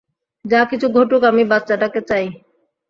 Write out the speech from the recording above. যা কিছু ঘটুক আমি বাচ্চাটাকে চাই।